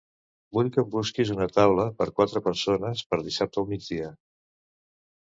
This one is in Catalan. Vull que em busquis una taula per quatre persones per dissabte al migdia.